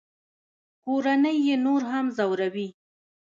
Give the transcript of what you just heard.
کورنۍ یې نور هم ځوروي